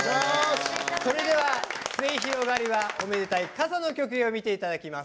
それでは末広がりはおめでたい傘の曲芸を見ていただきます。